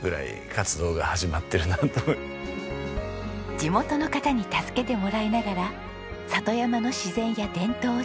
地元の方に助けてもらいながら里山の自然や伝統を調査。